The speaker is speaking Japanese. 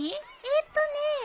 えっとね